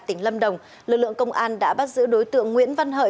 tỉnh lâm đồng lực lượng công an đã bắt giữ đối tượng nguyễn văn hợi